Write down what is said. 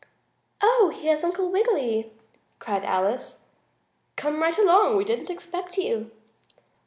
"Oh, here's Uncle Wiggily!" cried Alice. "Come right along and sit down. We didn't expect you!"